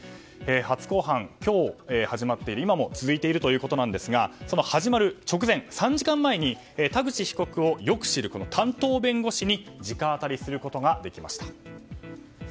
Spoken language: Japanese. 初公判、今日始まって今も続いているということですが始まる直前３時間前に田口被告をよく知る担当弁護士に直アタリすることができました。